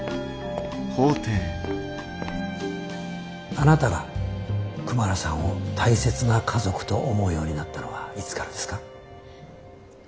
あなたがクマラさんを大切な家族と思うようになったのはいつからですか？